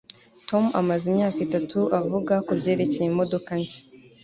tom amaze imyaka itatu avuga kubyerekeye imodoka nshya